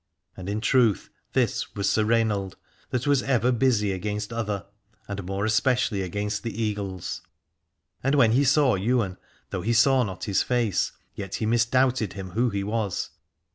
And in truth this was Sir Rainald, that was ever busy against other, and more especially against the Eagles : and when he saw Ywain, though he saw not his face, yet he misdoubted him who he was.